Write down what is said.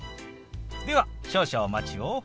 では少々お待ちを。